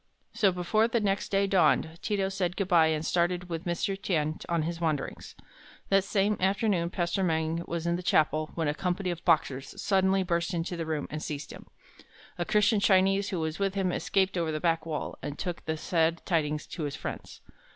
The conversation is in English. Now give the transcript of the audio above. So, before the next day dawned, Ti to said good by, and started with Mr. Tien on his wanderings. That same afternoon Pastor Meng was in the chapel when a company of Boxers suddenly burst into the room and seized him. A Christian Chinese who was with him escaped over the back wall, and took the sad tidings to his friends.